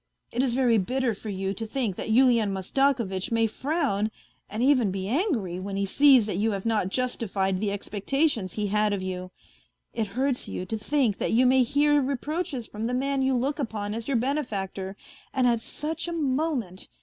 It is very bitter for you to think that Yulian Mastakovitch may frown and even be angry when he sees that you have not justified the expectations he had of you. It hurts you to think that you may hear reproaches from the man you look upon as your benefactor and at such a moment